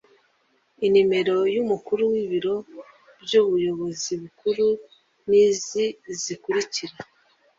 inimero y’umukuru w’ibiro by’ubuyobozi bukuru ni izi zikurikira